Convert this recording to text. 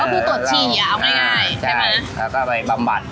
ก็พูดตรวจฌีตอนนั้นง่ายใช่มะแล้วก็ไปบำบัด